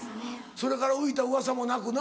それから浮いたうわさもなくな。